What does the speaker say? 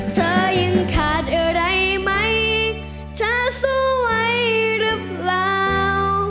เธอยังขาดอะไรไหมเธอสู้ไว้หรือเปล่า